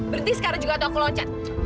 berhenti sekarang juga atau aku loncat